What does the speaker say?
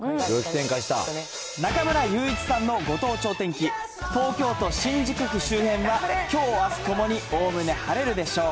中村悠一さんのご当地お天気、東京都新宿区周辺は、きょう、あすともにおおむね晴れるでしょう。